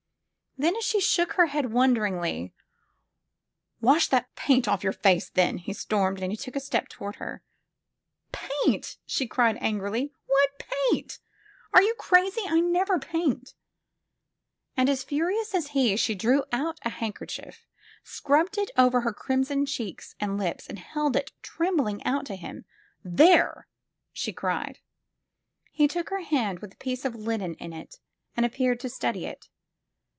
Then, as she shook her head wonderingly : "Wash that paint off your face, then!" he stormed, and took a step toward her. "Paint?" she cried angrily, "what paint? Are you crazy ? I never paint !'' And as furious as he, she drew out her handkerchief, scrubbed it over her crimson cheeks and lips and held it, trembling, out to him. "There!" she cried. He took her hand with the piece of linen in it and appeared to study it.